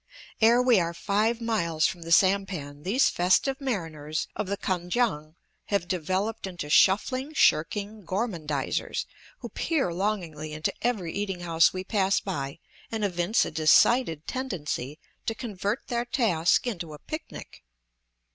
Ere we are five miles from the sampan these festive mariners of the Kan kiang have developed into shuffling, shirking gormandizers, who peer longingly into every eating house we pass by and evince a decided tendency to convert their task into a picnic.